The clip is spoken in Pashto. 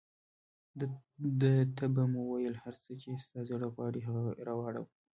ده ته به مو ویل، هر څه چې ستا زړه غواړي هغه راوړه.